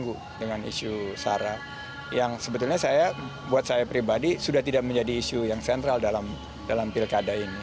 ragu dengan isu sara yang sebetulnya saya buat saya pribadi sudah tidak menjadi isu yang sentral dalam pilkada ini